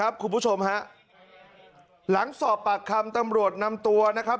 คุณผู้ชมฮะหลังสอบปากคำตำรวจนำตัวนะครับ